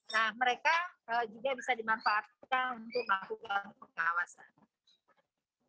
nah mereka juga bisa dimanfaatkan untuk melakukan pengawasan